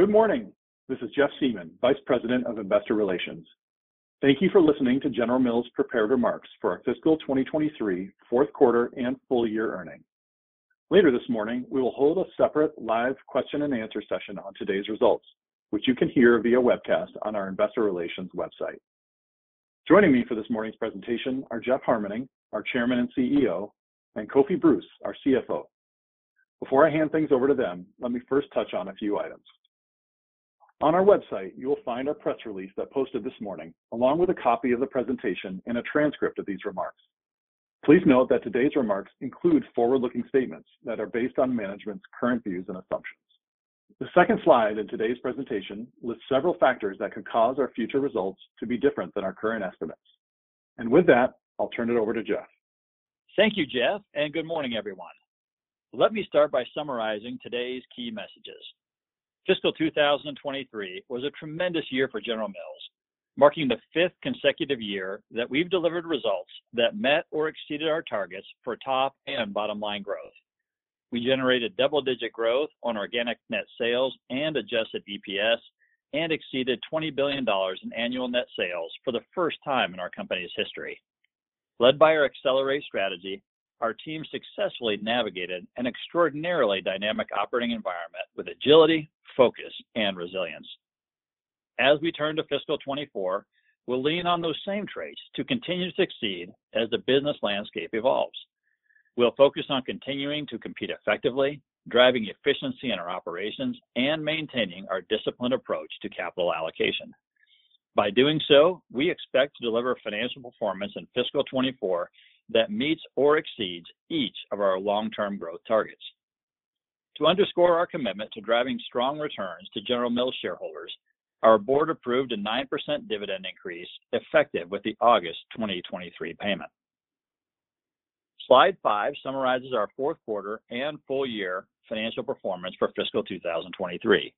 Good morning. This is Jeff Siemon, Vice President of Investor Relations. Thank you for listening to General Mills' prepared remarks for our fiscal 2023, fourth quarter, and full year earning. Later this morning, we will hold a separate live question and answer session on today's results, which you can hear via webcast on our Investor relations website. Joining me for this morning's presentation are Jeff Harmening, our Chairman and CEO, and Kofi Bruce, our CFO. Before I hand things over to them, let me first touch on a few items. On our website, you will find our press release that posted this morning, along with a copy of the presentation and a transcript of these remarks. Please note that today's remarks include forward-looking statements that are based on management's current views and assumptions. The second slide in today's presentation lists several factors that could cause our future results to be different than our current estimates. With that, I'll turn it over to Jeff. Thank you, Jeff, and good morning, everyone. Let me start by summarizing today's key messages. Fiscal 2023 was a tremendous year for General Mills, marking the fifth consecutive year that we've delivered results that met or exceeded our targets for top and bottom line growth. We generated double-digit growth on organic net sales and adjusted EPS, and exceeded $20 billion in annual net sales for the first time in our company's history. Led by our Accelerate strategy, our team successfully navigated an extraordinarily dynamic operating environment with agility, focus, and resilience. As we turn to Fiscal 2024, we'll lean on those same traits to continue to succeed as the business landscape evolves. We'll focus on continuing to compete effectively, driving efficiency in our operations, and maintaining our disciplined approach to capital allocation. We expect to deliver financial performance in fiscal 2024 that meets or exceeds each of our long-term growth targets. To underscore our commitment to driving strong returns to General Mills shareholders, our board approved a 9% dividend increase, effective with the August 2023 payment. Slide five summarizes our fourth quarter and full year financial performance for fiscal 2023.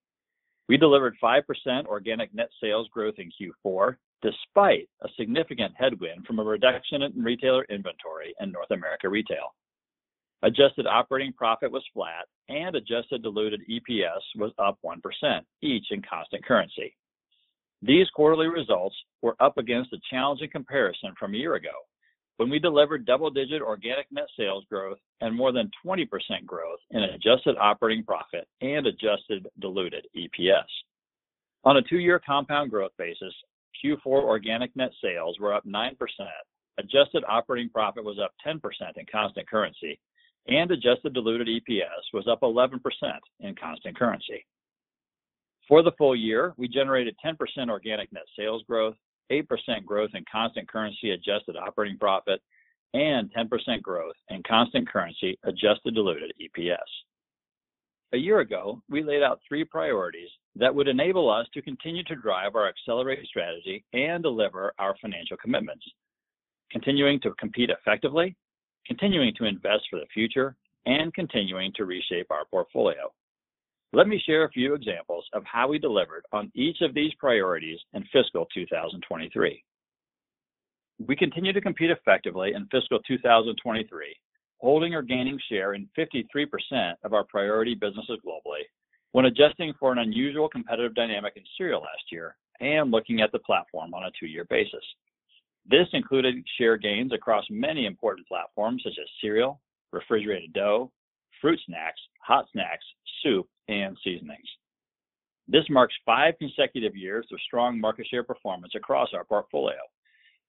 We delivered 5% organic net sales growth in Q4, despite a significant headwind from a reduction in retailer inventory in North America Retail. Adjusted operating profit was flat, adjusted diluted EPS was up 1%, each in constant currency. These quarterly results were up against a challenging comparison from a year ago, when we delivered double-digit organic net sales growth and more than 20% growth in an adjusted operating profit and adjusted diluted EPS. On a two-year compound growth basis, Q4 organic net sales were up 9%, adjusted operating profit was up 10% in constant currency, and adjusted diluted EPS was up 11% in constant currency. For the full year, we generated 10% organic net sales growth, 8% growth in constant currency adjusted operating profit, and 10% growth in constant currency, adjusted diluted EPS. A year ago, we laid out three priorities that would enable us to continue to drive our Accelerate strategy and deliver our financial commitments: continuing to compete effectively, continuing to invest for the future, and continuing to reshape our portfolio. Let me share a few examples of how we delivered on each of these priorities in fiscal 2023. We continued to compete effectively in fiscal 2023, holding or gaining share in 53% of our priority businesses globally when adjusting for an unusual competitive dynamic in cereal last year and looking at the platform on a two-year basis. This included share gains across many important platforms, such as cereal, refrigerated dough, fruit snacks, hot snacks, soup, and seasonings. This marks five consecutive years of strong market share performance across our portfolio,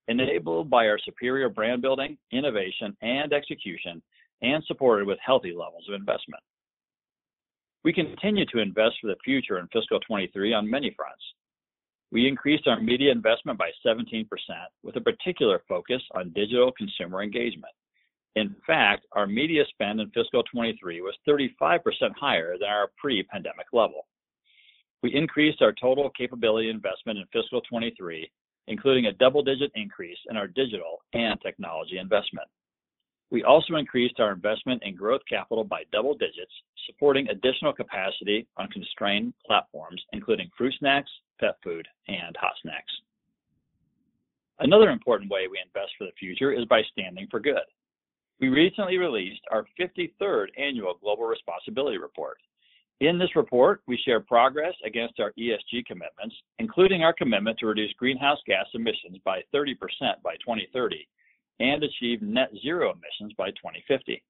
enabled by our superior brand building, innovation, and execution, and supported with healthy levels of investment. We continued to invest for the future in fiscal 2023 on many fronts. We increased our media investment by 17%, with a particular focus on digital consumer engagement. In fact, our media spend in fiscal 2023 was 35% higher than our pre-pandemic level. We increased our total capability investment in fiscal 2023, including a double-digit increase in our digital and technology investment. We also increased our investment in growth capital by double digits, supporting additional capacity on constrained platforms, including fruit snacks, pet food, and hot snacks. Another important way we invest for the future is by standing for good. We recently released our 53rd annual Global Responsibility Report. In this report, we share progress against our ESG commitments, including our commitment to reduce greenhouse gas emissions by 30% by 2030, and achieve net zero emissions by 2050.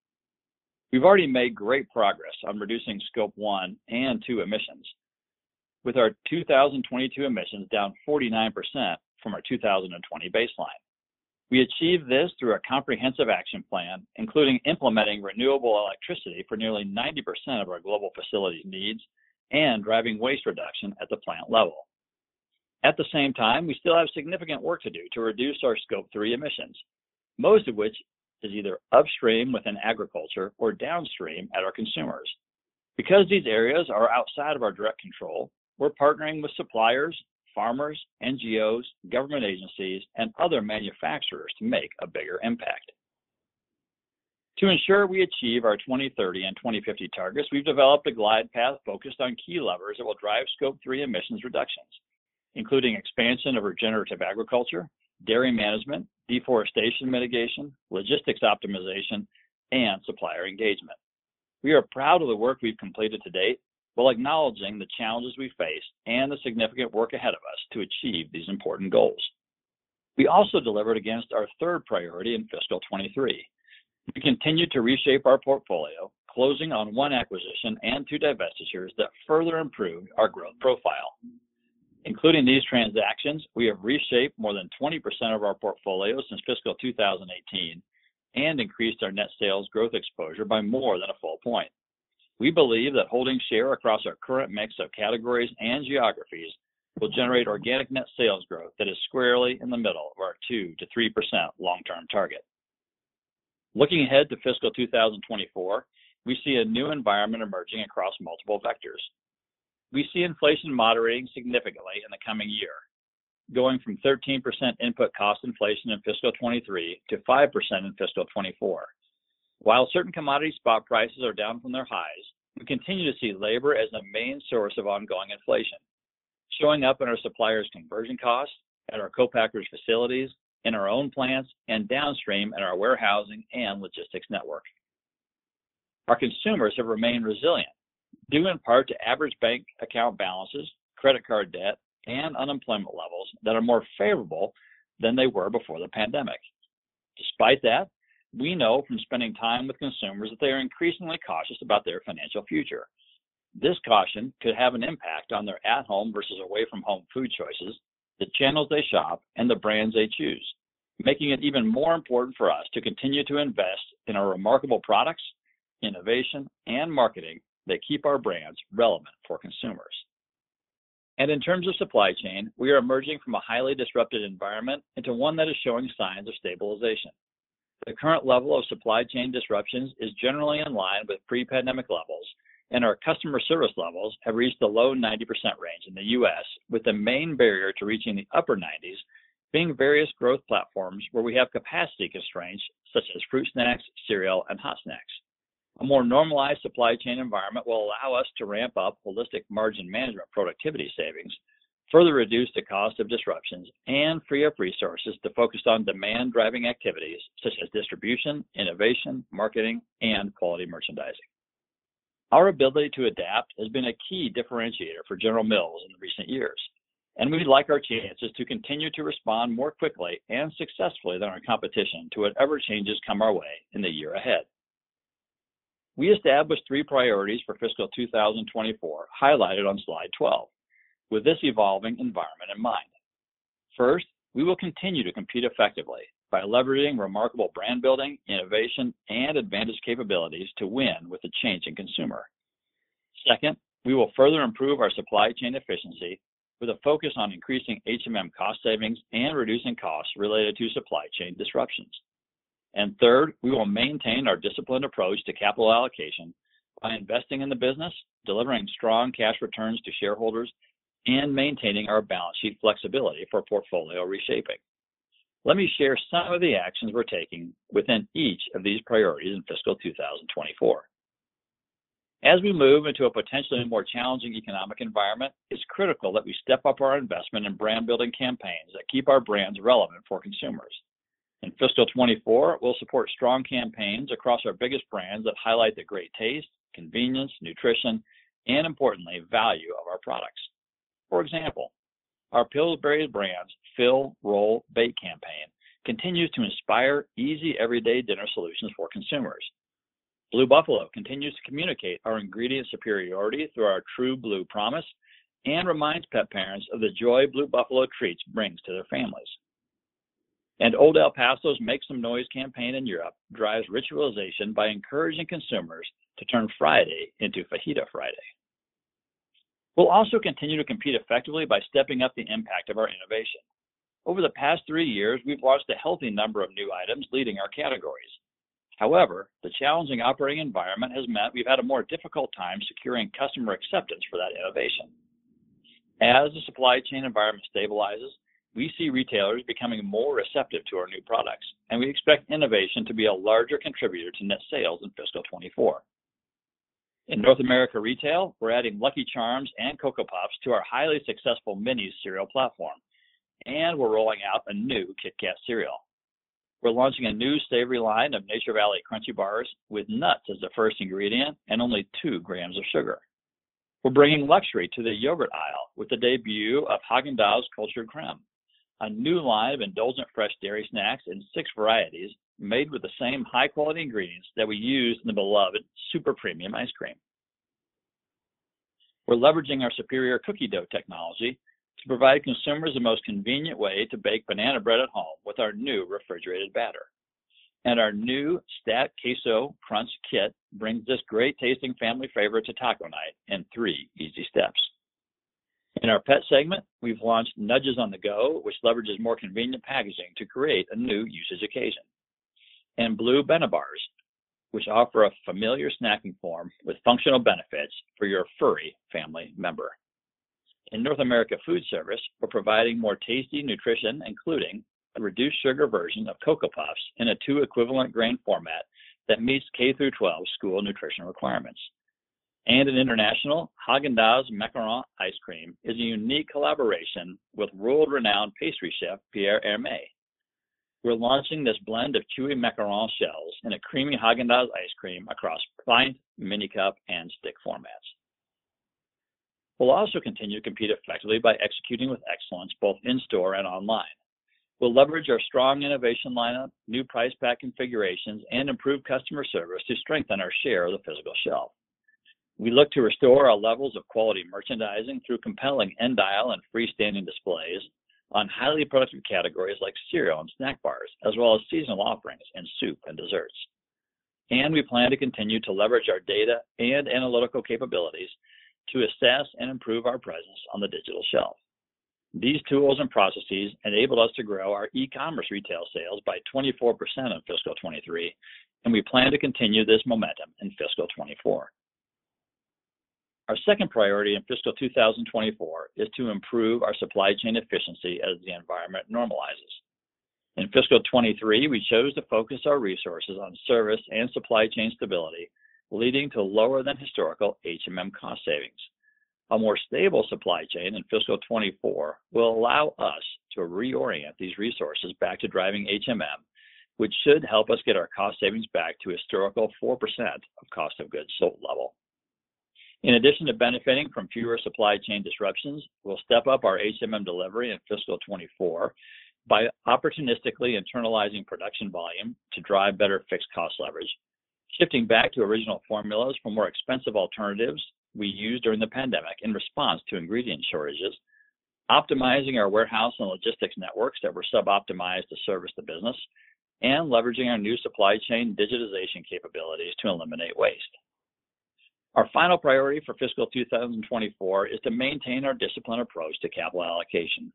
We've already made great progress on reducing Scope 1 and 2 emissions, with our 2022 emissions down 49% from our 2020 baseline. We achieved this through our comprehensive action plan, including implementing renewable electricity for nearly 90% of our global facilities needs and driving waste reduction at the plant level. At the same time, we still have significant work to do to reduce our Scope 3 emissions, most of which is either upstream within agriculture or downstream at our consumers. Because these areas are outside of our direct control, we're partnering with suppliers, farmers, NGOs, government agencies, and other manufacturers to make a bigger impact. To ensure we achieve our 2030 and 2050 targets, we've developed a glide path focused on key levers that will drive Scope 3 emissions reductions.... including expansion of regenerative agriculture, dairy management, deforestation mitigation, logistics optimization, and supplier engagement. We are proud of the work we've completed to date, while acknowledging the challenges we face and the significant work ahead of us to achieve these important goals. We also delivered against our third priority in fiscal 2023. We continued to reshape our portfolio, closing on one acquisition and two divestitures that further improved our growth profile. Including these transactions, we have reshaped more than 20% of our portfolio since fiscal 2018 and increased our net sales growth exposure by more than a full point. We believe that holding share across our current mix of categories and geographies will generate organic net sales growth that is squarely in the middle of our 2%-3% long-term target. Looking ahead to fiscal 2024, we see a new environment emerging across multiple vectors. We see inflation moderating significantly in the coming year, going from 13% input cost inflation in fiscal 2023 to 5% in fiscal 2024. While certain commodity spot prices are down from their highs, we continue to see labor as the main source of ongoing inflation, showing up in our suppliers' conversion costs, at our co-packers facilities, in our own plants, and downstream in our warehousing and logistics network. Our consumers have remained resilient, due in part to average bank account balances, credit card debt, and unemployment levels that are more favorable than they were before the pandemic. Despite that, we know from spending time with consumers that they are increasingly cautious about their financial future. This caution could have an impact on their at-home versus away-from-home food choices, the channels they shop, and the brands they choose, making it even more important for us to continue to invest in our remarkable products, innovation, and marketing that keep our brands relevant for consumers. In terms of supply chain, we are emerging from a highly disrupted environment into one that is showing signs of stabilization. The current level of supply chain disruptions is generally in line with pre-pandemic levels, and our customer service levels have reached the low 90% range in the U.S., with the main barrier to reaching the upper 90s being various growth platforms where we have capacity constraints, such as fruit snacks, cereal, and hot snacks. A more normalized supply chain environment will allow us to ramp up Holistic Margin Management productivity savings, further reduce the cost of disruptions, and free up resources to focus on demand-driving activities such as distribution, innovation, marketing, and quality merchandising. Our ability to adapt has been a key differentiator for General Mills in recent years. We like our chances to continue to respond more quickly and successfully than our competition to whatever changes come our way in the year ahead. We established 3 priorities for fiscal 2024, highlighted on Slide 12, with this evolving environment in mind. First, we will continue to compete effectively by leveraging remarkable brand building, innovation, and advantage capabilities to win with the changing consumer. Second, we will further improve our supply chain efficiency with a focus on increasing HMM cost savings and reducing costs related to supply chain disruptions. Third, we will maintain our disciplined approach to capital allocation by investing in the business, delivering strong cash returns to shareholders, and maintaining our balance sheet flexibility for portfolio reshaping. Let me share some of the actions we're taking within each of these priorities in fiscal 2024. As we move into a potentially more challenging economic environment, it's critical that we step up our investment in brand-building campaigns that keep our brands relevant for consumers. In fiscal 2024, we'll support strong campaigns across our biggest brands that highlight the great taste, convenience, nutrition, and importantly, value of our products. For example, our Pillsbury brands' Fill, Roll, Bake campaign continues to inspire easy, everyday dinner solutions for consumers. Blue Buffalo continues to communicate our ingredient superiority through our TRUE BLUE Promise and reminds pet parents of the joy Blue Buffalo treats brings to their families. Old El Paso's Make Some Noise campaign in Europe drives ritualization by encouraging consumers to turn Friday into Fajita Friday. We'll also continue to compete effectively by stepping up the impact of our innovation. Over the past three years, we've launched a healthy number of new items leading our categories. However, the challenging operating environment has meant we've had a more difficult time securing customer acceptance for that innovation. As the supply chain environment stabilizes, we see retailers becoming more receptive to our new products, and we expect innovation to be a larger contributor to net sales in fiscal 2024. In North America Retail, we're adding Lucky Charms and Cocoa Puffs to our highly successful mini cereal platform, and we're rolling out a new KIT KAT cereal. We're launching a new savory line of Nature Valley crunchy bars with nuts as the first ingredient and only 2 grams of sugar. We're bringing luxury to the yogurt aisle with the debut of Häagen-Dazs Cultured Crème, a new line of indulgent fresh dairy snacks in 6 varieties made with the same high-quality ingredients that we use in the beloved Super Premium ice cream. We're leveraging our superior cookie dough technology to provide consumers the most convenient way to bake banana bread at home with our new refrigerated batter. Our new Stacked Queso Crunch Kit brings this great-tasting family favorite to taco night in 3 easy steps. In our pet segment, we've launched Nudges On-The-Go, which leverages more convenient packaging to create a new usage occasion, and Blue BeneBars, which offer a familiar snacking form with functional benefits for your furry family member. In North America Foodservice, we're providing more tasty nutrition, including a reduced sugar version of Cocoa Puffs in a 2 equivalent grain format that meets K-12 school nutrition requirements. In international, Häagen-Dazs Macaron Ice Cream is a unique collaboration with world-renowned pastry chef, Pierre Hermé. We're launching this blend of chewy macaron shells in a creamy Häagen-Dazs ice cream across pint, mini cup, and stick formats. We'll also continue to compete effectively by executing with excellence, both in-store and online. We'll leverage our strong innovation lineup, new price pack configurations, and improved customer service to strengthen our share of the physical shelf. We look to restore our levels of quality merchandising through compelling end-aisle and freestanding displays on highly approaching categories like cereal and snack bars, as well as seasonal offerings in soup and desserts. We plan to continue to leverage our data and analytical capabilities to assess and improve our presence on the digital shelf. These tools and processes enabled us to grow our e-commerce retail sales by 24% in fiscal 2023, and we plan to continue this momentum in fiscal 2024. Our second priority in fiscal 2024 is to improve our supply chain efficiency as the environment normalizes. In fiscal 2023, we chose to focus our resources on service and supply chain stability, leading to lower than historical HMM cost savings. A more stable supply chain in fiscal 2024 will allow us to reorient these resources back to driving HMM, which should help us get our cost savings back to historical 4% of cost of goods sold level. In addition to benefiting from fewer supply chain disruptions, we'll step up our HMM delivery in fiscal 2024 by opportunistically internalizing production volume to drive better fixed cost leverage. Shifting back to original formulas for more expensive alternatives we used during the pandemic in response to ingredient shortages, optimizing our warehouse and logistics networks that were sub-optimized to service the business, and leveraging our new supply chain digitization capabilities to eliminate waste. Our final priority for fiscal 2024 is to maintain our disciplined approach to capital allocation.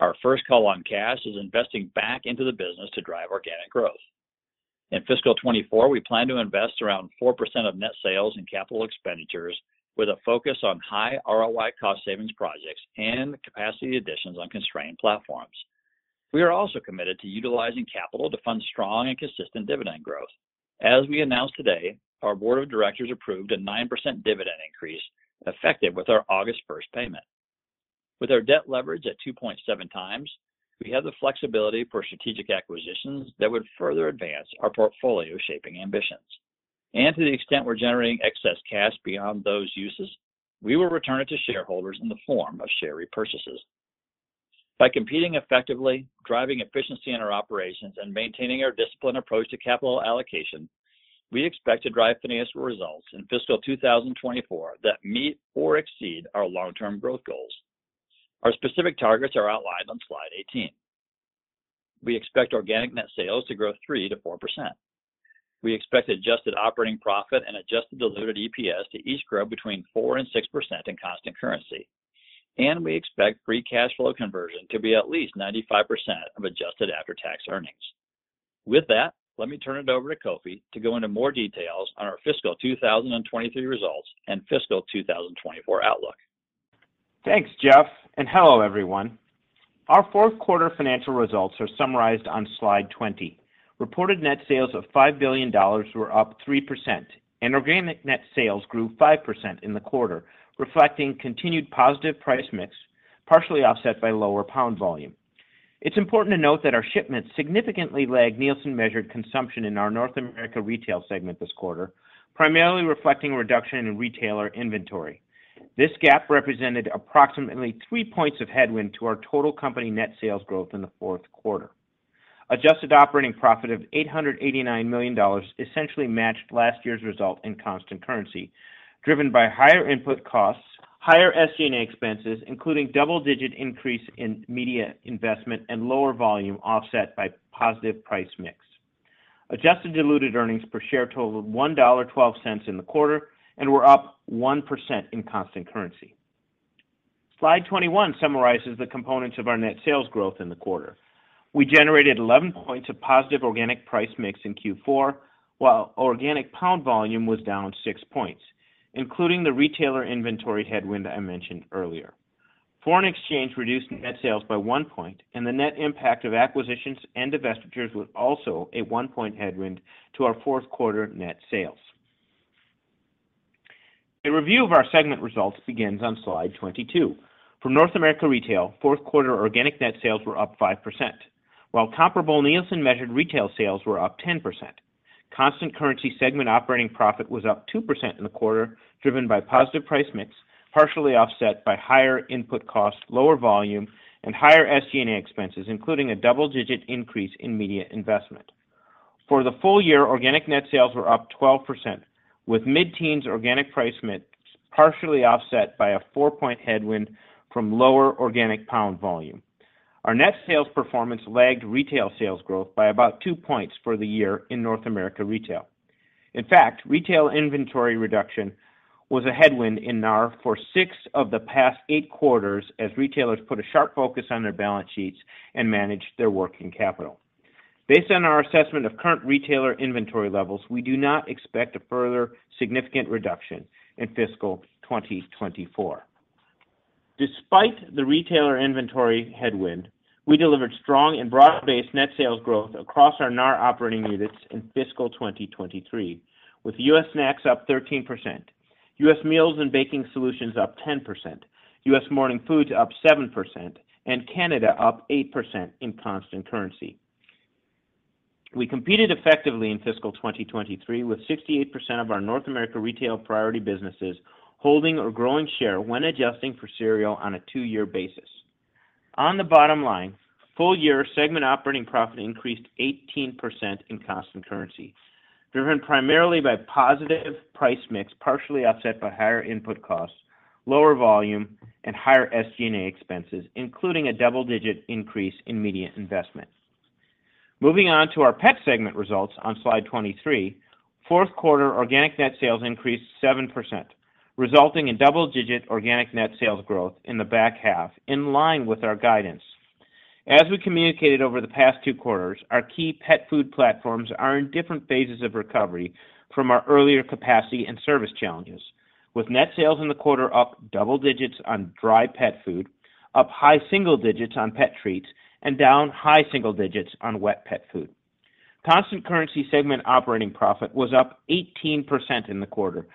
Our first call on cash is investing back into the business to drive organic growth. In fiscal 2024, we plan to invest around 4% of net sales and capital expenditures, with a focus on high ROI cost savings projects and capacity additions on constrained platforms. We are also committed to utilizing capital to fund strong and consistent dividend growth. As we announced today, our board of directors approved a 9% dividend increase, effective with our August 1st payment. With our debt leverage at 2.7 times, we have the flexibility for strategic acquisitions that would further advance our portfolio shaping ambitions. To the extent we're generating excess cash beyond those uses, we will return it to shareholders in the form of share repurchases. By competing effectively, driving efficiency in our operations, and maintaining our disciplined approach to capital allocation, we expect to drive financial results in fiscal 2024 that meet or exceed our long-term growth goals. Our specific targets are outlined on Slide 18. We expect organic net sales to grow 3%-4%. We expect adjusted operating profit and adjusted diluted EPS to each grow between 4% and 6% in constant currency. We expect free cash flow conversion to be at least 95% of adjusted after-tax earnings. With that, let me turn it over to Kofi to go into more details on our fiscal 2023 results and fiscal 2024 outlook. Thanks, Jeff, and hello, everyone. Our fourth quarter financial results are summarized on Slide 20. Reported net sales of $5 billion were up 3%. Organic net sales grew 5% in the quarter, reflecting continued positive price mix, partially offset by lower pound volume. It's important to note that our shipments significantly lag Nielsen-measured consumption in our North America Retail segment this quarter, primarily reflecting a reduction in retailer inventory. This gap represented approximately 3 points of headwind to our total company net sales growth in the fourth quarter. Adjusted operating profit of $889 million essentially matched last year's result in constant currency, driven by higher input costs, higher SG&A expenses, including double-digit increase in media investment and lower volume offset by positive price mix. Adjusted diluted earnings per share totaled $1.12 in the quarter and were up 1% in constant currency. Slide 21 summarizes the components of our net sales growth in the quarter. We generated 11 points of positive organic price mix in Q4, while organic pound volume was down 6 points, including the retailer inventory headwind I mentioned earlier. Foreign exchange reduced net sales by 1 point. The net impact of acquisitions and divestitures was also a 1-point headwind to our fourth quarter net sales. A review of our segment results begins on Slide 22. For North America Retail, fourth quarter organic net sales were up 5%, while comparable Nielsen-measured retail sales were up 10%. Constant currency segment operating profit was up 2% in the quarter, driven by positive price mix, partially offset by higher input costs, lower volume, and higher SG&A expenses, including a double-digit increase in media investment. For the full year, organic net sales were up 12%, with mid-teens organic price mix partially offset by a 4-point headwind from lower organic pound volume. Our net sales performance lagged retail sales growth by about 2 points for the year in North America Retail. In fact, retail inventory reduction was a headwind in NAR for 6 of the past 8 quarters, as retailers put a sharp focus on their balance sheets and managed their working capital. Based on our assessment of current retailer inventory levels, we do not expect a further significant reduction in fiscal 2024.... Despite the retailer inventory headwind, we delivered strong and broad-based net sales growth across our NAR operating units in fiscal 2023, with U.S. Snacks up 13%, U.S. Meals and Baking Solutions up 10%, U.S. Morning Foods up 7%, and Canada up 8% in constant currency. We competed effectively in fiscal 2023, with 68% of our North America Retail priority businesses holding or growing share when adjusting for cereal on a two-year basis. On the bottom line, full year segment operating profit increased 18% in constant currency, driven primarily by positive price mix, partially offset by higher input costs, lower volume, and higher SG&A expenses, including a double-digit increase in media investment. Moving on to our pet segment results on Slide 23, fourth quarter organic net sales increased 7%, resulting in double-digit organic net sales growth in the back half, in line with our guidance. As we communicated over the past 2 quarters, our key pet food platforms are in different phases of recovery from our earlier capacity and service challenges, with net sales in the quarter up double digits on dry pet food, up high single digits on pet treats, and down high single digits on wet pet food. Constant currency segment operating profit was up 18% in the quarter,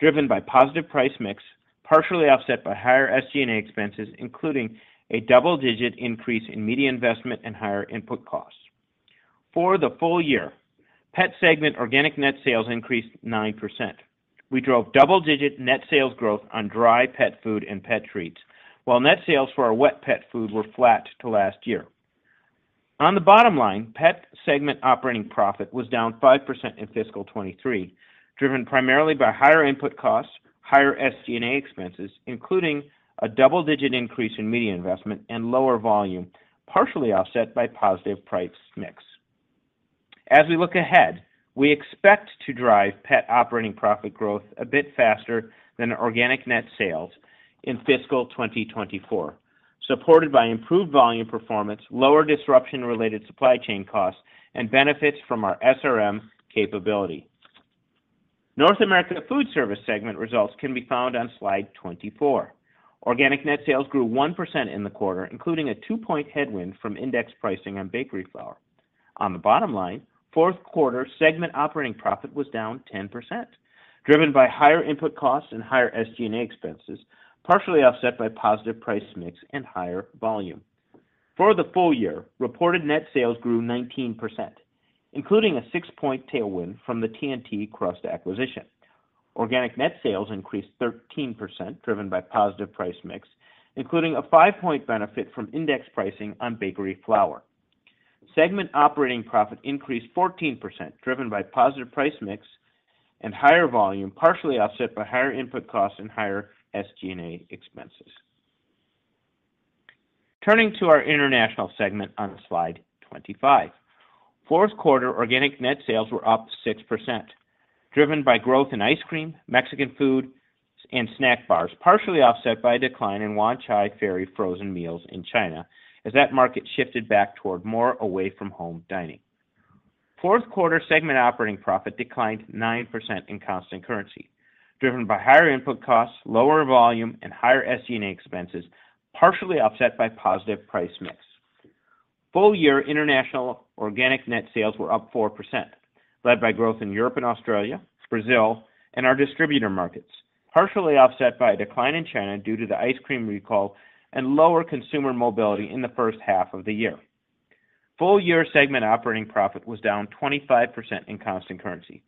driven by positive price mix, partially offset by higher SG&A expenses, including a double-digit increase in media investment and higher input costs. For the full year, pet segment organic net sales increased 9%. We drove double-digit net sales growth on dry pet food and pet treats, while net sales for our wet pet food were flat to last year. On the bottom line, pet segment operating profit was down 5% in fiscal 2023, driven primarily by higher input costs, higher SG&A expenses, including a double-digit increase in media investment and lower volume, partially offset by positive price mix. As we look ahead, we expect to drive pet operating profit growth a bit faster than organic net sales in fiscal 2024, supported by improved volume performance, lower disruption-related supply chain costs, and benefits from our SRM capability. North America Foodservice segment results can be found on Slide 24. Organic net sales grew 1% in the quarter, including a 2-point headwind from index pricing on bakery flour. On the bottom line, fourth quarter segment operating profit was down 10%, driven by higher input costs and higher SG&A expenses, partially offset by positive price mix and higher volume. For the full year, reported net sales grew 19%, including a 6-point tailwind from the TNT Crust acquisition. Organic net sales increased 13%, driven by positive price mix, including a 5-point benefit from index pricing on bakery flour. Segment operating profit increased 14%, driven by positive price mix and higher volume, partially offset by higher input costs and higher SG&A expenses. Turning to our international segment on Slide 25. Fourth quarter organic net sales were up 6%, driven by growth in ice cream, Mexican food, and snack bars, partially offset by a decline in Wanchai Ferry frozen meals in China, as that market shifted back toward more away-from-home dining. Fourth quarter segment operating profit declined 9% in constant currency, driven by higher input costs, lower volume, and higher SG&A expenses, partially offset by positive price mix. Full year international organic net sales were up 4%, led by growth in Europe and Australia, Brazil, and our distributor markets, partially offset by a decline in China due to the ice cream recall and lower consumer mobility in the first half of the year. Full year segment operating profit was down 25% in constant currency,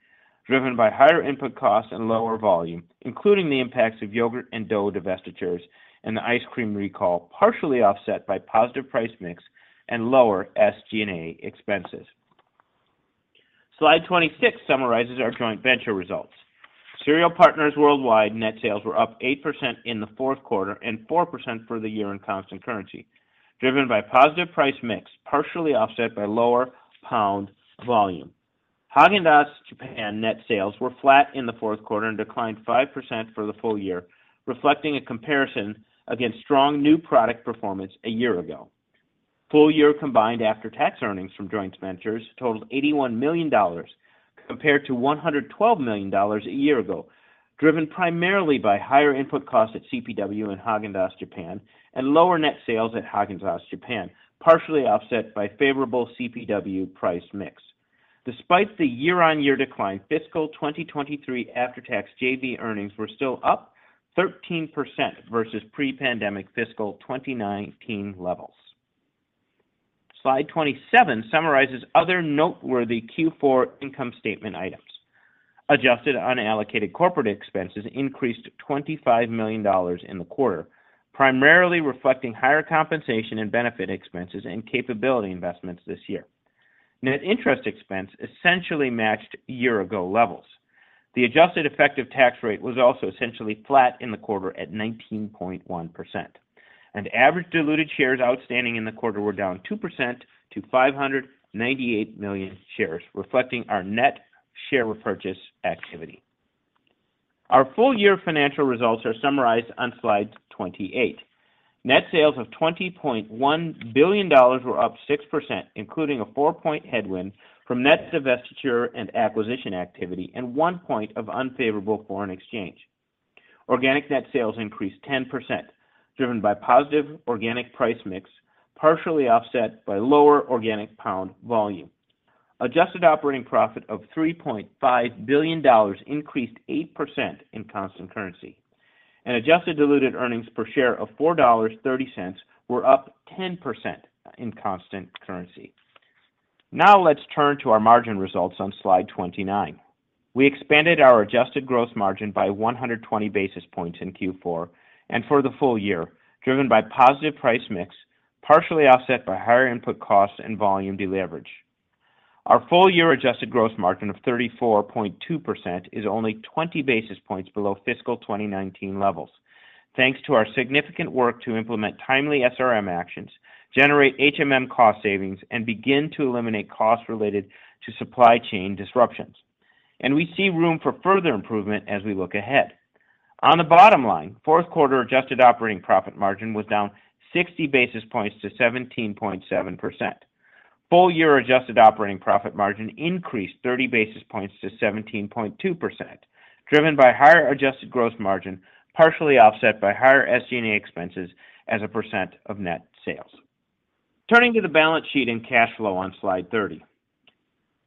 driven by higher input costs and lower volume, including the impacts of yogurt and dough divestitures and the ice cream recall, partially offset by positive price mix and lower SG&A expenses. Slide 26 summarizes our joint venture results. Cereal Partners Worldwide net sales were up 8% in the fourth quarter and 4% for the year in constant currency, driven by positive price mix, partially offset by lower pound volume. Häagen-Dazs Japan net sales were flat in the fourth quarter and declined 5% for the full year, reflecting a comparison against strong new product performance a year ago. Full year combined after-tax earnings from joint ventures totaled $81 million, compared to $112 million a year ago, driven primarily by higher input costs at CPW and Häagen-Dazs Japan and lower net sales at Häagen-Dazs Japan, partially offset by favorable CPW price mix. Despite the year-on-year decline, fiscal 2023 after-tax JV earnings were still up 13% versus pre-pandemic fiscal 2019 levels. Slide 27 summarizes other noteworthy Q4 income statement items. Adjusted unallocated corporate expenses increased $25 million in the quarter, primarily reflecting higher compensation and benefit expenses and capability investments this year. Net interest expense essentially matched year-ago levels. The adjusted effective tax rate was also essentially flat in the quarter at 19.1%, and average diluted shares outstanding in the quarter were down 2% to 598 million shares, reflecting our net share repurchase activity. Our full year financial results are summarized on slide 28. Net sales of $20.1 billion were up 6%, including a 4-point headwind from net divestiture and acquisition activity, and 1 point of unfavorable foreign exchange. Organic net sales increased 10%, driven by positive organic price mix, partially offset by lower organic pound volume. Adjusted operating profit of $3.5 billion increased 8% in constant currency, and adjusted diluted earnings per share of $4.30 were up 10% in constant currency. Now let's turn to our margin results on Slide 29. We expanded our adjusted gross margin by 120 basis points in Q4 and for the full year, driven by positive price mix, partially offset by higher input costs and volume deleverage. Our full-year adjusted gross margin of 34.2% is only 20 basis points below fiscal 2019 levels, thanks to our significant work to implement timely SRM actions, generate HMM cost savings, and begin to eliminate costs related to supply chain disruptions. We see room for further improvement as we look ahead. On the bottom line, fourth quarter adjusted operating profit margin was down 60 basis points to 17.7%. Full year adjusted operating profit margin increased 30 basis points to 17.2%, driven by higher adjusted gross margin, partially offset by higher SG&A expenses as a percent of net sales. Turning to the balance sheet and cash flow on Slide 30.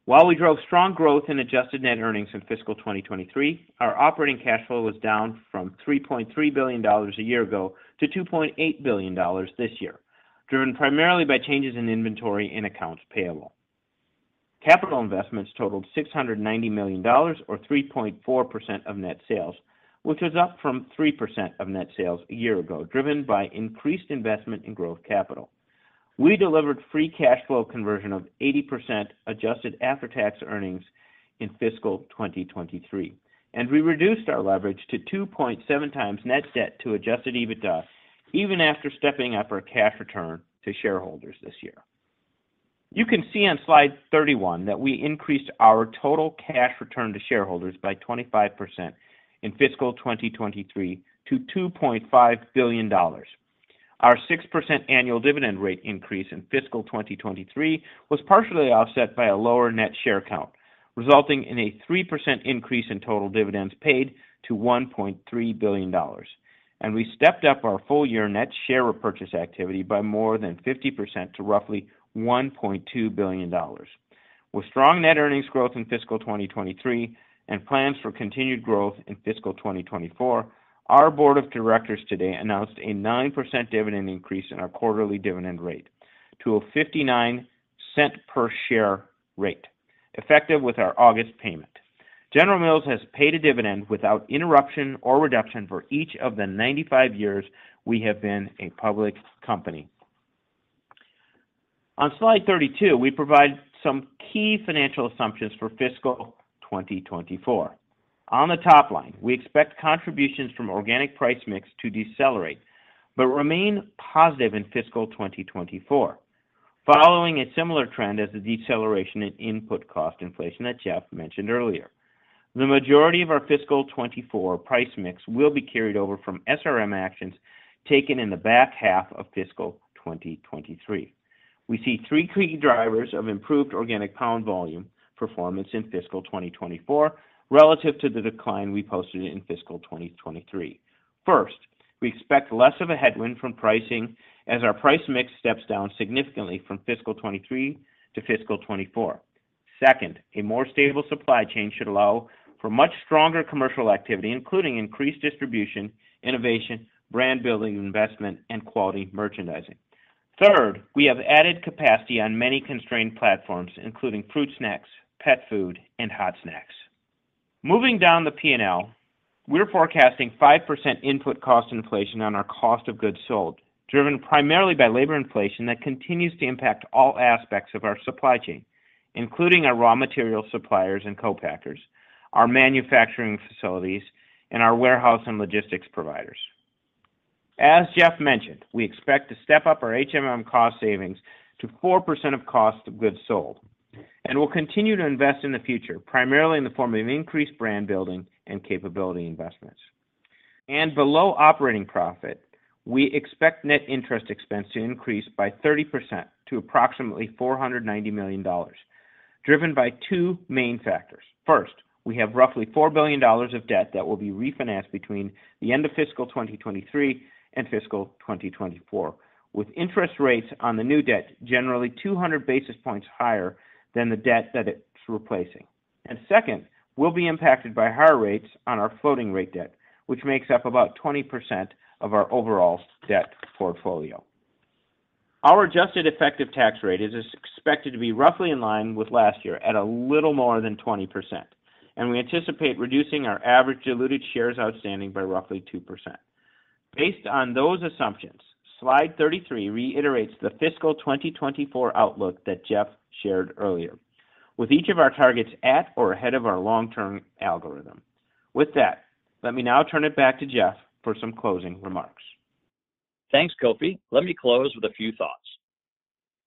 While we drove strong growth in adjusted net earnings in fiscal 2023, our operating cash flow was down from $3.3 billion a year ago to $2.8 billion this year, driven primarily by changes in inventory and accounts payable. Capital investments totaled $690 million, or 3.4% of net sales, which was up from 3% of net sales a year ago, driven by increased investment in growth capital. We delivered free cash flow conversion of 80% adjusted after-tax earnings in fiscal 2023, we reduced our leverage to 2.7x net debt to adjusted EBITDA, even after stepping up our cash return to shareholders this year. You can see on Slide 31 that we increased our total cash return to shareholders by 25% in fiscal 2023 to $2.5 billion. Our 6% annual dividend rate increase in fiscal 2023 was partially offset by a lower net share count, resulting in a 3% increase in total dividends paid to $1.3 billion. We stepped up our full-year net share repurchase activity by more than 50% to roughly $1.2 billion. With strong net earnings growth in fiscal 2023 and plans for continued growth in fiscal 2024, our board of directors today announced a 9% dividend increase in our quarterly dividend rate to a $0.59 per share rate, effective with our August payment. General Mills has paid a dividend without interruption or reduction for each of the 95 years we have been a public company. On Slide 32, we provide some key financial assumptions for fiscal 2024. On the top line, we expect contributions from organic price mix to decelerate, but remain positive in fiscal 2024, following a similar trend as the deceleration in input cost inflation that Jeff mentioned earlier. The majority of our fiscal 2024 price mix will be carried over from SRM actions taken in the back half of fiscal 2023. We see three key drivers of improved organic pound volume performance in fiscal 2024 relative to the decline we posted in fiscal 2023. First, we expect less of a headwind from pricing as our price mix steps down significantly from fiscal 2023 to fiscal 2024. Second, a more stable supply chain should allow for much stronger commercial activity, including increased distribution, innovation, brand building investment, and quality merchandising. Third, we have added capacity on many constrained platforms, including fruit snacks, pet food, and hot snacks. Moving down the P&L, we're forecasting 5% input cost inflation on our cost of goods sold, driven primarily by labor inflation that continues to impact all aspects of our supply chain, including our raw material suppliers and co-packers, our manufacturing facilities, and our warehouse and logistics providers. As Jeff mentioned, we expect to step up our HMM cost savings to 4% of cost of goods sold, and we'll continue to invest in the future, primarily in the form of increased brand building and capability investments. Below operating profit, we expect net interest expense to increase by 30% to approximately $490 million, driven by two main factors. First, we have roughly $4 billion of debt that will be refinanced between the end of fiscal 2023 and fiscal 2024, with interest rates on the new debt generally 200 basis points higher than the debt that it's replacing. Second, we'll be impacted by higher rates on our floating rate debt, which makes up about 20% of our overall debt portfolio. Our adjusted effective tax rate is expected to be roughly in line with last year at a little more than 20%, and we anticipate reducing our average diluted shares outstanding by roughly 2%. Based on those assumptions, Slide 33 reiterates the fiscal 2024 outlook that Jeff shared earlier, with each of our targets at or ahead of our long-term algorithm. With that, let me now turn it back to Jeff for some closing remarks. Thanks, Kofi. Let me close with a few thoughts.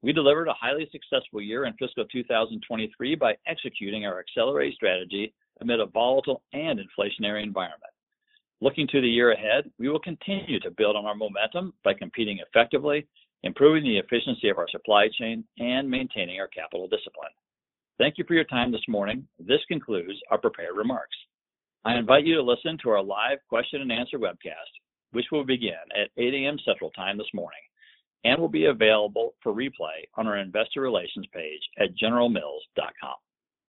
We delivered a highly successful year in fiscal 2023 by executing our Accelerate strategy amid a volatile and inflationary environment. Looking to the year ahead, we will continue to build on our momentum by competing effectively, improving the efficiency of our supply chain, and maintaining our capital discipline. Thank you for your time this morning. This concludes our prepared remarks. I invite you to listen to our live question and answer webcast, which will begin at 8:00 A.M. Central Time this morning, and will be available for replay on our Investor Relations page at generalmills.com.